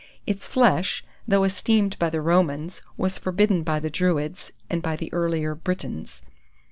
Its flesh, though esteemed by the Romans, was forbidden by the Druids and by the earlier Britons.